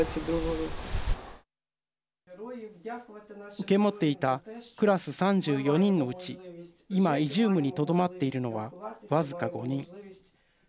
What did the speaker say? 受け持っていたクラス３４人のうち今イジュームにとどまっているのは僅か５人。